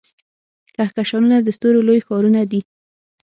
کهکشانونه د ستورو لوی ښارونه دي.